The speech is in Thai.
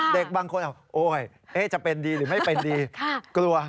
เด็กบางคนโอ๊ยจะเป็นดีหรือไม่เป็นดีกลัว